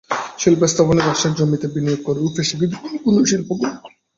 শিল্প স্থাপনের আশায় জমিতে বিনিয়োগ করেও ফেঁসে গেছে কোনো কোনো শিল্প গ্রুপ।